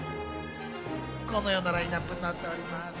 このようなラインナップになっております。